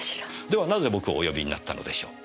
ではなぜ僕をお呼びになったのでしょう？